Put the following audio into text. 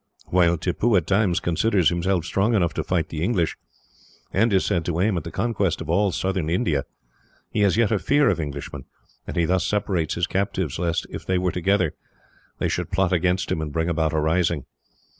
"While Tippoo at times considers himself strong enough to fight the English, and is said to aim at the conquest of all southern India, he has yet a fear of Englishmen, and he thus separates his captives, lest, if they were together, they should plot against him and bring about a rising.